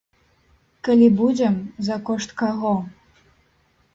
Калі будзем, за кошт каго.